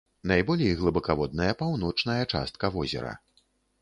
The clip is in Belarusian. Найболей глыбакаводная паўночная частка возера.